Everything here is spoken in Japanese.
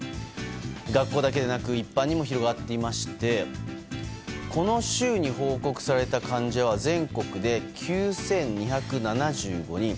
学校だけでなく一般にも広がっていましてこの週に報告された患者は全国で９２７５人。